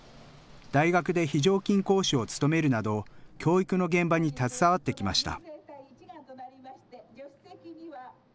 大学で非常勤講師を務めるなど教育の現場に携わってきました。